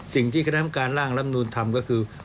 สิ่งที่คณะกรรมการร่างลำนูนทำก็คือ